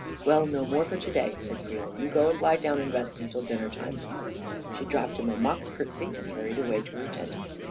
" Well, no more for to day," said Creel. " You go and lie down and rest till dinner time." She dropped him a mock curtsey, and hurried away to her tent.